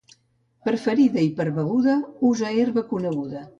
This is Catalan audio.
Per ferida i per beguda usa herba coneguda.